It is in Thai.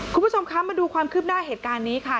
คุณผู้ชมคะมาดูความคืบหน้าเหตุการณ์นี้ค่ะ